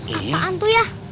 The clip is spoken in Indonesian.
apaan tuh ya